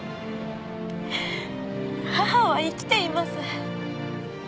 母は生きています。